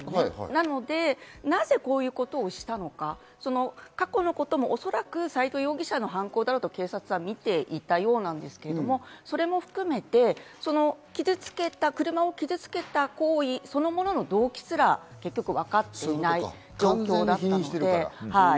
なので、なぜこういうことをしたのか、過去のこともおそらく斎藤容疑者の犯行だろうと警察は見ていたようなんですけれども、それも含めて傷つけた車を、車を傷付けた行為、動機もわかっていない。